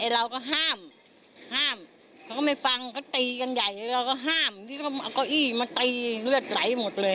เราก็ห้ามเราก็อี้มันไตเลือดไหลหมดเลย